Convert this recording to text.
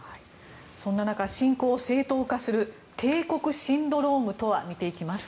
そんな中侵攻を正当化する帝国シンドロームとは見ていきます。